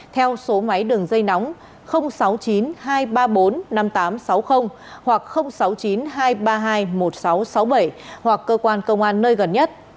theo số máy đường dây nóng sáu mươi chín hai trăm ba mươi bốn năm nghìn tám trăm sáu mươi hoặc sáu mươi chín hai trăm ba mươi hai một nghìn sáu trăm sáu mươi bảy hoặc cơ quan công an nơi gần nhất